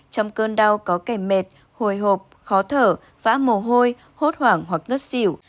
trong cơn đau có kèm mệt hồi hộp khó thở vã mồ hôi hốt hoảng hoặc ngất xỉu